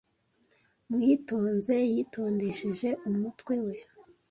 mwitonze yitondeshe umutwe we